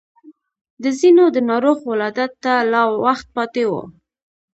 د ځينو د ناروغ ولادت ته لا وخت پاتې و.